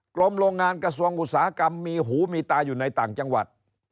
โรงงานกระทรวงอุตสาหกรรมมีหูมีตาอยู่ในต่างจังหวัด